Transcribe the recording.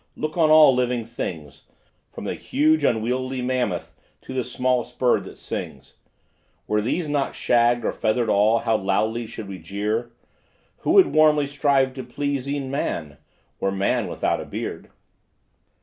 look on all living things, From the huge unwieldy mammoth to the smallest bird that sings; Were these not shagged or feathered all, how loudly should we jeer; Who would warmly strive to please e'en man, were man without a beard?